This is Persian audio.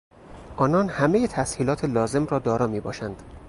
آنان همهی تسهیلات لازم را دارا میباشند.